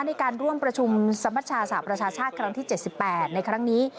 ในการร่วมประชุมสมชาสหประชาชาติครั้งที่๗๘ในครั้งนี้